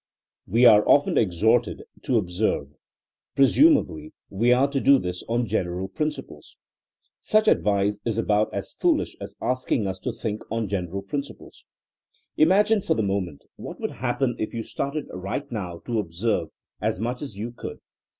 We are often exhorted to observe. Presumably we are to do this on general prin ciples.'* Such advice is about as foolish as asking us to think on general principles. Imag ine for the moment what would happen if you started right now to *' observe as much as you could.